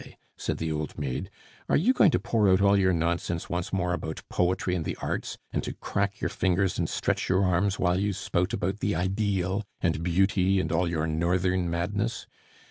said the old maid. "Are you going to pour out all your nonsense once more about poetry and the arts, and to crack your fingers and stretch your arms while you spout about the ideal, and beauty, and all your northern madness?